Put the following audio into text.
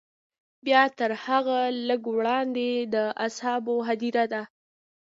بیا تر هغه لږ وړاندې د اصحابو هدیره ده.